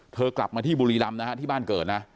กลับมาที่บุรีรำนะฮะที่บ้านเกิดนะ